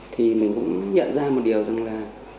thì mình cũng nhận ra một điều rằng là